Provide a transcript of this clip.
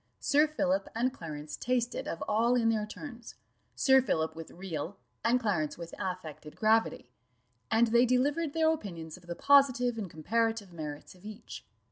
Sir Philip and Clarence tasted of all in their turns; Sir Philip with real, and Clarence with affected gravity; and they delivered their opinions of the positive and comparative merits of each.